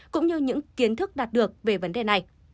cũng như những kiến thức đạt được về vấn đề này